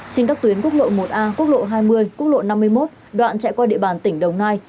trên các tuyến quốc lộ một a quốc lộ hai mươi quốc lộ năm mươi một đoạn chạy qua địa bàn tỉnh đồng nai